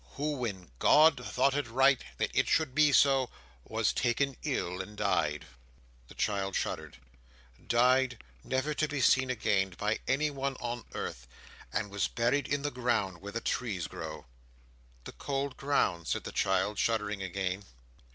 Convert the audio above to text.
"Who, when God thought it right that it should be so, was taken ill and died." The child shuddered. "Died, never to be seen again by anyone on earth, and was buried in the ground where the trees grow." "The cold ground?" said the child, shuddering again.